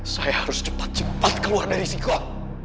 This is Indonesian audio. saya harus cepat cepat keluar dari sikap